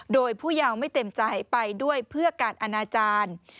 โดยผู้ยาวไม่เต็มใจไปด้วยเพื่อการอนาจารย์